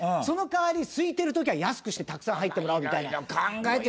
その代わりすいてるときは安くしてたくさん入ってもらおうみたいな。